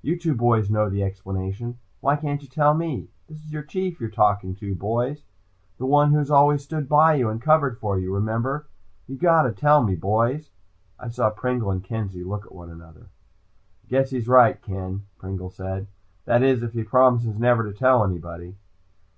"You two boys know the explanation. Why can't you tell me? This is your Chief who's talking, boys. The one who has always stood by you and covered for you. Remember? You just gotta tell me, boys." I saw Pringle and Kenzie look at one another. "I guess he's right, Ken," Pringle said. "That is, if he promises never to tell anybody."